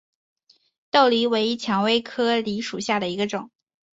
豆梨为蔷薇科梨属下的一个种。